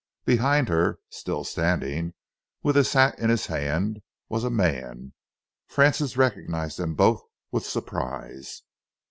Behind her, still standing, with his hat in his hand, was a man. Francis recognised them both with surprise.